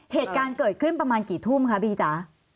เหตุการณ์เกิดขึ้นประมาณกี่ทุ่มคะบีจ๊ะ